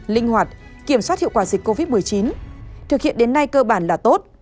linh hoạt kiểm soát hiệu quả dịch covid một mươi chín thực hiện đến nay cơ bản là tốt